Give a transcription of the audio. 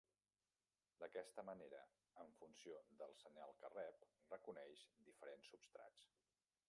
D'aquesta manera, en funció del senyal que rep reconeix diferents substrats.